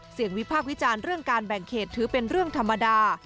วิพากษ์วิจารณ์เรื่องการแบ่งเขตถือเป็นเรื่องธรรมดา